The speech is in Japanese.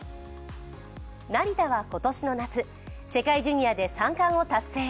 成田は今年の夏世界ジュニアで三冠を達成。